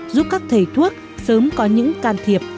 giúp các thầy thuốc sớm có những can thiệp